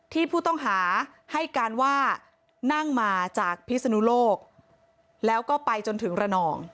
ที่ผู้ต้องหาให้การว่านั่งมาจากพิศนุโลกแล้วก็ไปจนถึงระนอง